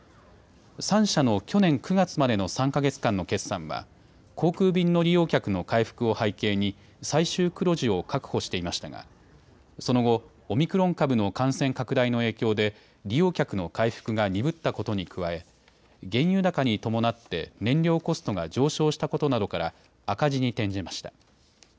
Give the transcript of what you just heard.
３社の去年９月までの３か月間の決算は航空便の利用客の回復を背景に最終黒字を確保していましたがその後、オミクロン株の感染拡大の影響で利用客の回復が鈍ったことに加え原油高に伴って燃料コストが上昇したことなどから赤字に転じました。